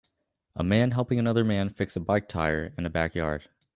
A man helping another man fix a bike tire in a backyard